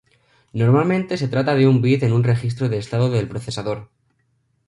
Normalmente se trata de un bit en un registro de estado del procesador.